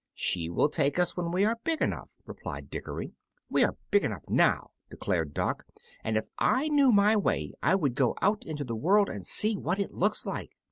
"She will take us when we are big enough," replied Dickory. "We are big enough now," declared Dock, "and if I knew my way I would go out into the world and see what it looks like."